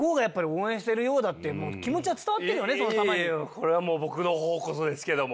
いえいえこれはもう僕の方こそですけども。